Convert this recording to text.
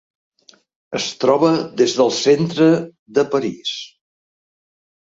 Es troba des del centre de París.